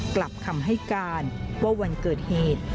กลับคำให้การว่าวันเกิดเหตุ